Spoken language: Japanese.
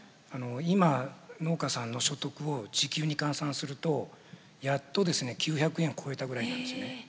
今農家さんの所得を時給に換算するとやっとですね９００円を超えたぐらいなんですよね。